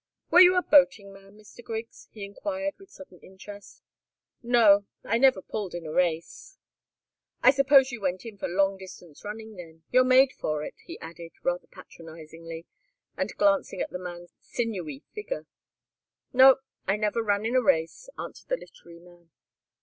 "Were you a boating man, Mr. Griggs?" he enquired, with sudden interest. "No. I never pulled in a race." "I suppose you went in for long distance running, then. You're made for it," he added, rather patronizingly and glancing at the man's sinewy figure. "No. I never ran in a race," answered the literary man.